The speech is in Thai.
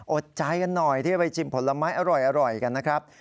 อดใจกันหน่อยที่จะไปชิมผลไม้อร่อยกันนะครับ